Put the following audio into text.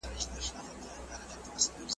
په وزارتونو کي مسلکي کسان پکار دي.